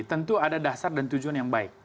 tentu ada dasar dan tujuan yang baik